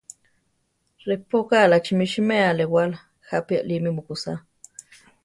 Repókarachi mi siméa alewála, jápi alími mukúsaa.